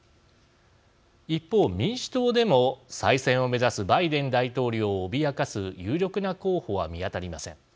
一方、民主党でも、再選を目指すバイデン大統領を脅かす有力な候補は見当たりません。